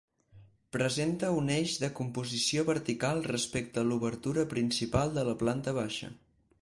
Presenta un eix de composició vertical respecte a l'obertura principal de la planta baixa.